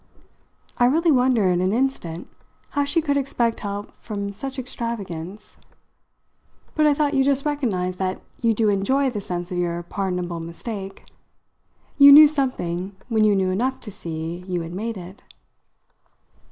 I really wondered an instant how she could expect help from such extravagance. "But I thought you just recognised that you do enjoy the sense of your pardonable mistake. You knew something when you knew enough to see you had made it."